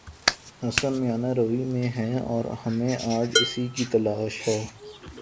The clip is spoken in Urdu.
حسن میانہ روی میں ہے اور ہمیں آج اسی کی تلاش ہے۔